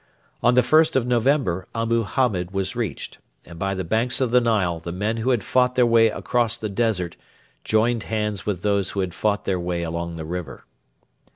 On the 1st of November Abu Hamed was reached, and by the banks of the Nile the men who had fought their way across the desert joined hands with those who had fought their way along the river.